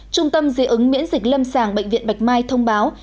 trung tâm diễn ứng miễn dịch lâm sàng bệnh viện bạch mai thông báo